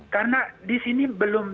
karena disini belum